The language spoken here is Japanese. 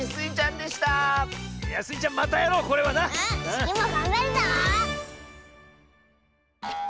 つぎもがんばるぞ！